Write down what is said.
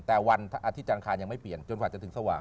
แต่วันอาทิตย์อังคารยังไม่เปลี่ยนจนกว่าจะถึงสว่าง